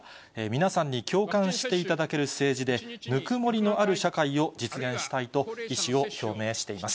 皆さんに共感していただける政治で、ぬくもりのある社会を実現したいと、意思を表明しています。